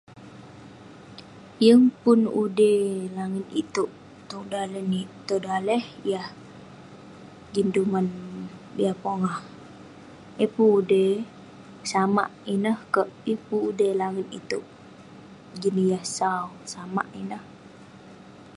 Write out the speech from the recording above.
yeng pun ude langit itouk, tong daleh yah jin duman yah pongah..yeng pun ude, samak ineh kerk, yeng pun ude langit itouk jin yah sau..samak ineh